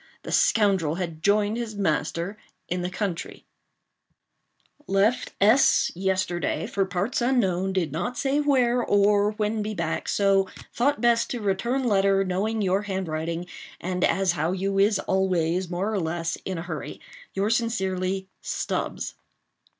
The scoundrel had joined his master in the country: "Left S—— yesterday, for parts unknown—did not say where—or when be back—so thought best to return letter, knowing your handwriting, and as how you is always, more or less, in a hurry. "Yours sincerely, "STUBBS."